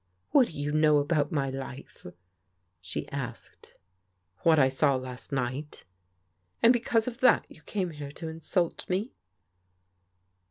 " What do you know about my life? she asked. " What I saw last night." " And because of that you came here to insult me?